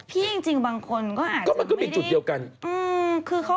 พี่จริงบางคนก็อาจจะไม่ได้คือเขาก็อาจจะไปด้วยกันแต่ว่ามันก็